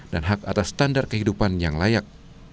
dan hak atas standar kehidupan yang layak